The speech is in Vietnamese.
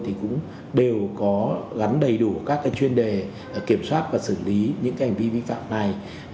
thì cũng đều có gắn đầy đủ các cái chuyên đề kiểm soát và xử lý những cái ảnh vi vi phạm này